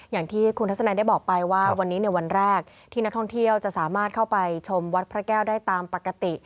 อย่างที่คุณทัศนัยได้บอกไปว่าวันนี้ในวันแรกที่นักท่องเที่ยวจะสามารถเข้าไปชมวัดพระแก้วได้ตามปกติ